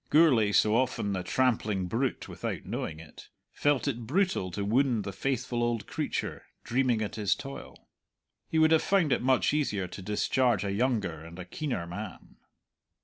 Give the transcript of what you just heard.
Gourlay, so often the trampling brute without knowing it, felt it brutal to wound the faithful old creature dreaming at his toil. He would have found it much easier to discharge a younger and a keener man.